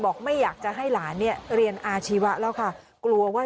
ไม่อยากจะให้หลานเนี่ยเรียนอาชีวะแล้วค่ะกลัวว่า